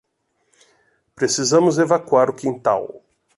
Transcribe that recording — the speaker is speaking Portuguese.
Precisamos evacuar o quintal.